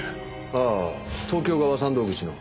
ああ東京側山道口の。